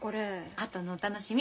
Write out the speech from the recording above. あとのお楽しみ。